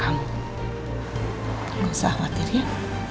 kamu gak usah khawatir ya